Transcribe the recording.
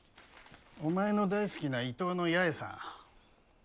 お前の大好きな伊東の八重さん。